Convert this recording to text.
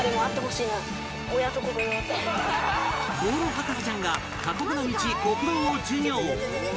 道路博士ちゃんが過酷な道酷道を授業